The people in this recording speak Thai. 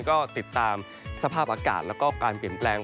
ก็ติดตามสภาพอากาศแล้วก็การเปลี่ยนแปลง